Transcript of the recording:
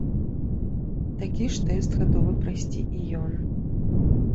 Такі ж тэст гатовы прайсці і ён.